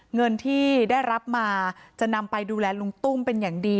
เงินที่ได้รับมาจะนำไปดูแลลุงตุ้มเป็นอย่างดี